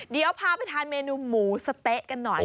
เดี๋ยวพาไปทานเมนูหมูสะเต๊ะกันหน่อย